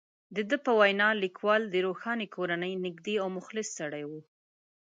د ده په وینا، لیکوال د روښاني کورنۍ نږدې او مخلص سړی وو.